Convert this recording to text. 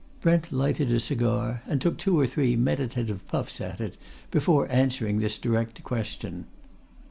Brent lighted a cigar and took two or three meditative puffs at it before answering this direct question.